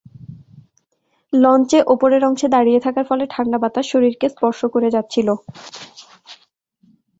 লঞ্চে ওপরের অংশে দাঁড়িয়ে থাকার ফলে ঠান্ডা বাতাস শরীরকে স্পর্শ করে যাচ্ছিল।